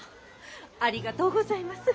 ありがとうございます。